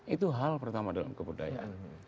itu hal pertama dalam kebudayaan